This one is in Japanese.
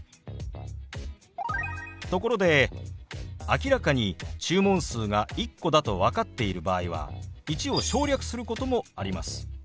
ところで明らかに注文数が１個だと分かっている場合は「１」を省略することもあります。